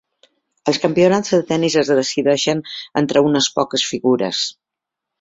Els campionats de tenis es decideixen entre unes poques figures.